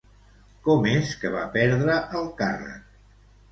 Com és que va perdre el càrrec?